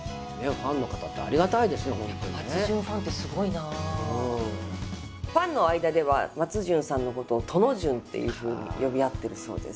ファンの間では松潤さんのことを殿潤っていうふうに呼び合ってるそうです。